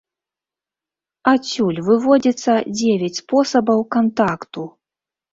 Адсюль выводзіцца дзевяць спосабаў кантакту.